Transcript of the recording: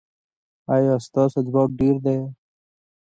ایا ستاسو ځواک ډیر دی؟